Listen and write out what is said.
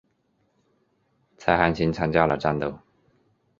蔡汉卿参加了战斗。